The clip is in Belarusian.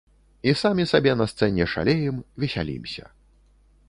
І самі сабе на сцэне шалеем, весялімся.